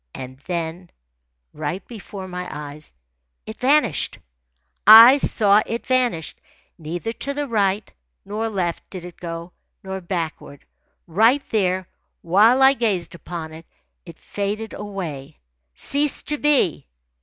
And then, right before my eyes, it vanished. I saw it vanish. Neither to the right nor left did it go, nor backward. Right there, while I gazed upon it, it faded away, ceased to be.